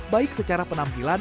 baik secara penampilan